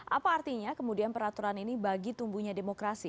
apa artinya kemudian peraturan ini bagi tumbuhnya demokrasi